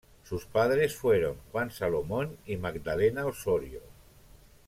Sus padres fueron Juan Salomón y Magdalena Osorio.